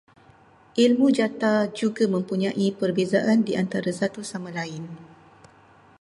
Ilmu jata juga mempunyai perbezaan di antara satu sama lain